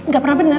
gak pernah bener